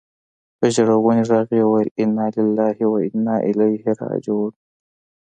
په ژړغوني ږغ يې وويل انا لله و انا اليه راجعون.